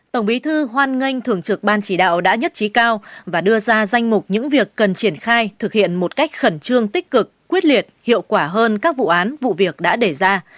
tổng bí thư hoan nghênh thường trực ban chỉ đạo đã nhất trí cao và đưa ra danh mục những việc cần triển khai thực hiện một cách khẩn trương tích cực quyết liệt hiệu quả hơn các vụ án vụ việc đã để ra